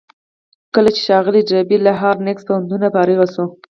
کله چې ښاغلی ډاربي له هارډ ناکس پوهنتونه فارغ شو.